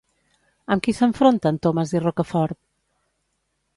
Amb qui s'enfronten Thomas i Roquefort?